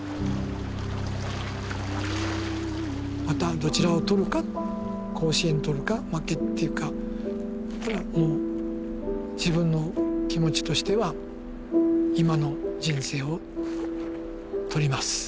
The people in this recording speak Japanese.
またどちらを取るか甲子園取るか負けっていうかならもう自分の気持ちとしては今の人生を取ります。